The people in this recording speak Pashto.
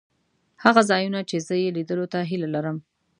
هغه ځایونه چې زه یې لیدلو ته هیله لرم.